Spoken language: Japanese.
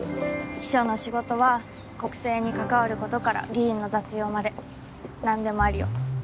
秘書の仕事は国政に関わることから議員の雑用まで何でもありよ。